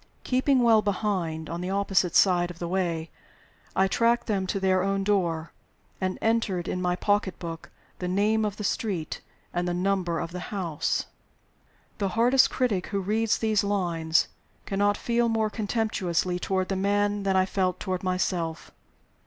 Keeping well behind, on the opposite side of the way, I tracked them to their own door, and entered in my pocket book the name of the street and the number of the house. The hardest critic who reads these lines cannot feel more contemptuously toward me than I felt toward myself.